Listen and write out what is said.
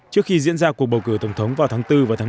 trước khi diễn ra cuộc bầu cử tổng thống vào tháng bốn và tháng bốn